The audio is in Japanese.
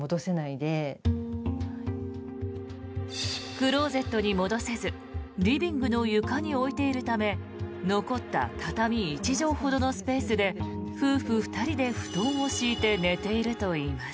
クローゼットに戻せずリビングの床に置いているため残った畳１畳ほどのスペースで夫婦２人で布団を敷いて寝ているといいます。